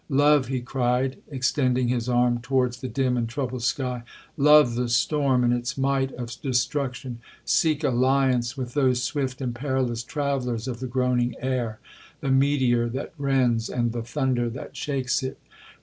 Love,' he cried, extending his arm towards the dim and troubled sky, 'love the storm in its might of destruction—seek alliance with those swift and perilous travellers of the groaning air,—the meteor that rends, and the thunder that shakes it!